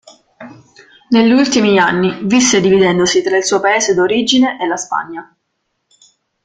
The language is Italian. Negli ultimi anni visse dividendosi tra il suo Paese d'origine e la Spagna.